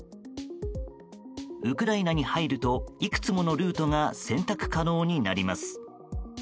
ウクライナに入るといくつものルートが選択可能になります。